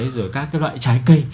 rồi các cái loại trái cây